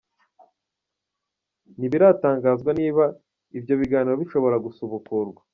Ntibiratangazwa niba ibyo biganiro bishobora gusubukurwa.